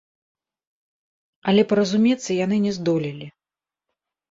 Але паразумецца яны не здолелі.